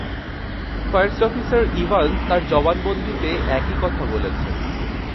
First officer Evans তাঁর জবানবন্দিতে একই কথা বলেছেন।